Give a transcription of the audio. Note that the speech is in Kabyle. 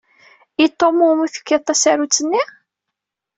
I Tum umi tefkiḍ tasarut-nni?